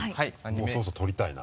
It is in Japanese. もうそろそろ取りたいな。